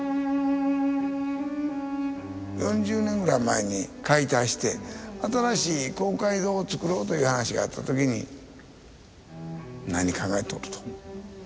４０年ぐらい前に解体して新しい公会堂をつくろうという話があった時に何考えとると。